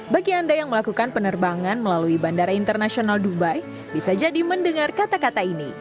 bagi anda yang melakukan penerbangan melalui bandara internasional dubai bisa jadi mendengar kata kata ini